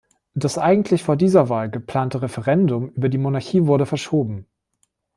Das eigentlich vor dieser Wahl geplante Referendum über die Monarchie wurde verschoben.